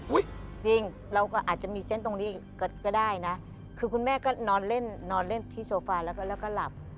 จริงเราก็อาจจะมีเส้นตรงนี้ก็ได้นะคือคุณแม่ก็นอนเล่นนอนเล่นที่โซฟาแล้วก็หลับ